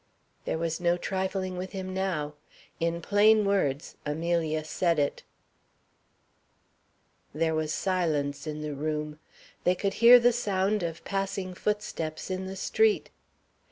There was no trifling with him now. In plain words Amelia said it. There was silence in the room. They could hear the sound of passing footsteps in the street.